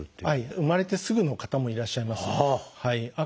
生まれてすぐの方もいらっしゃいます。